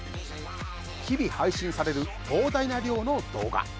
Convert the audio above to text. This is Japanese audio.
日々配信される膨大な量の動画。